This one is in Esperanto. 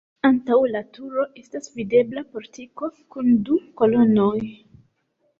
Antaŭ la turo estas videbla portiko kun du kolonoj.